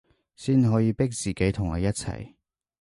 先可以逼自己同你一齊